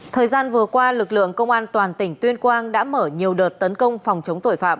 thời gian vừa qua lực lượng công an toàn tỉnh tuyên quang đã mở nhiều đợt tấn công phòng chống tội phạm